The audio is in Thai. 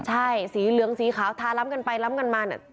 ใช่สีเหลืองสีขาวทาล้ำกันไปล้ำกันมาเนี่ย